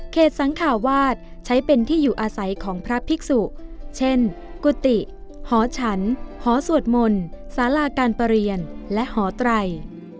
สังขาวาสใช้เป็นที่อยู่อาศัยของพระภิกษุเช่นกุฏิหอฉันหอสวดมนต์สาราการประเรียนและหอไตร